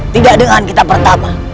tidak dengan kita pertama